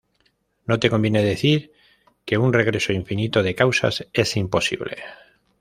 No te conviene decir que un regreso infinito de causas es imposible.